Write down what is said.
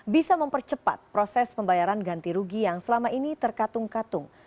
bisa mempercepat proses pembayaran ganti rugi yang selama ini terkatung katung